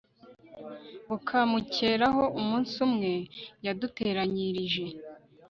bukamukeraho Umunsi umwe yaduteranyirije